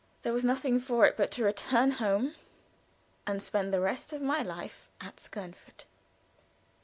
There was nothing for it but to return home, and spend the rest of my life at Skernford.